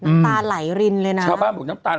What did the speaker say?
น้ำตาไหล่รินเลยนะ